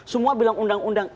semua bilang undang undang